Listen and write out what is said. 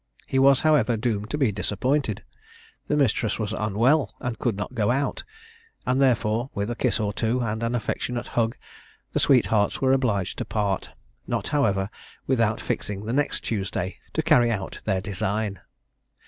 He was, however, doomed to be disappointed. The mistress was unwell and could not go out, and therefore, with a kiss or two, and an affectionate hug, the sweethearts were obliged to part, not, however, without fixing the next Tuesday to carry out their design.